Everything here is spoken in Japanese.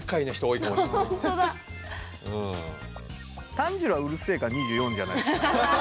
炭治郎はうるせえから２４じゃないすか？